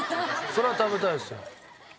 それは食べたいですよ。